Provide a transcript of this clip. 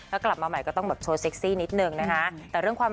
ถ้ากลับมาใหม่ก็ต้องแบบโชว์เซ็กซี่นิดนึงนะคะ